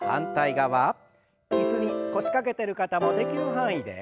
椅子に腰掛けてる方もできる範囲で。